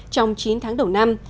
trong chín tháng đầu năm